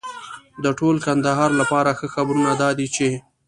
د ټول کندهار لپاره ښه خبرونه دا دي چې